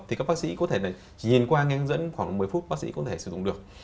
thì các bác sĩ có thể chỉ nhìn qua nghe hướng dẫn khoảng một mươi phút bác sĩ có thể sử dụng được